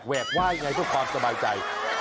กว่ายังไงเพื่อความสบายใจ